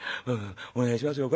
お願いしますよ。